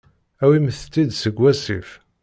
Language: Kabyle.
Awimt-t-id seg wasif.